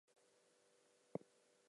It came along at the right time for me.